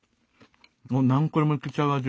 もう何個でもいけちゃう味。